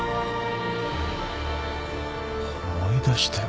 思い出したよ